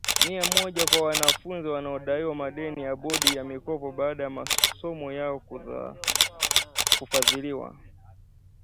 mia moja kwa wanafunzi wanaodaiwa madeni ya bodi ya mikopo baada ya masomo yao Kufadhiliwa